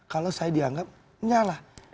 kalau saya dianggap menyalah